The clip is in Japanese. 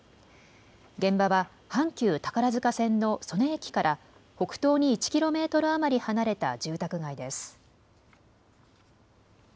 現場は阪急宝塚線の曽根駅から北東に１キロメートル余り離れた住宅街です。